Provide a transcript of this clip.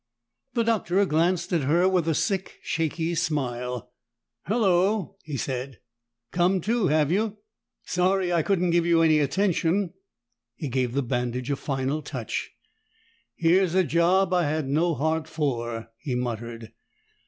The Doctor glanced at her with a sick, shaky smile. "Hello," he said. "Come to, have you? Sorry I couldn't give you any attention." He gave the bandage a final touch. "Here's a job I had no heart for," he muttered.